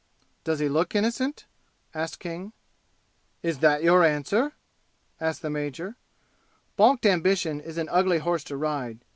"Does he look innocent?" asked King. "Is that your answer?" asked the major. Balked ambition is an ugly horse to ride.